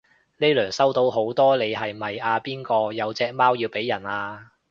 呢輪收到好多你係咪阿邊個有隻貓要俾人啊？